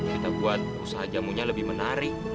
kita buat usaha jamunya lebih menarik